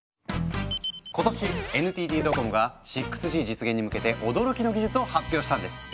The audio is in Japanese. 今年ＮＴＴドコモが６Ｇ実現に向けて驚きの技術を発表したんです。